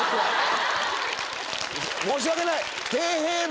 申し訳ない。